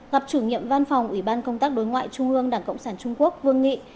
gặp chủ nhiệm văn phòng ủy ban công tác đối ngoại trung ương đảng cộng sản trung quốc vương nghị